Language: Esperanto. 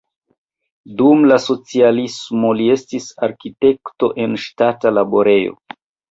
Dum la socialismo li estis arkitekto en ŝtata laborejo.